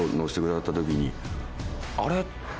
「あれ？